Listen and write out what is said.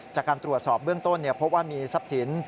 จากการตรวจสอบเบื้องต้นพบว่ามีทรัพย์สิน